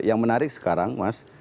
yang menarik sekarang mas